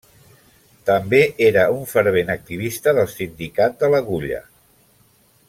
També era una fervent activista del Sindicat de l’Agulla.